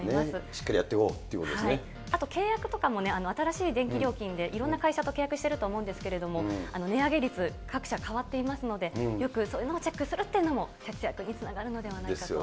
しっかりやっていこうというあと契約とかも、新しい電気料金で、いろんな会社と契約していると思うんですけれども、値上げ率、各社、変わっていますので、よくそういうものをチェックするっていうのも、節約につながるのですよね。